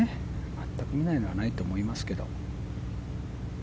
全く見ないということはないと思いますけど。